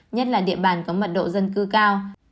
nhất là địa bàn có mật độ dân cư cao